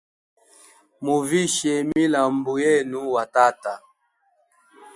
Muvishe milambu yenu wa tata.